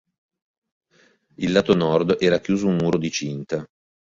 Il lato nord era chiuso un muro di cinta.